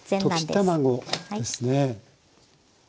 溶き卵ですね。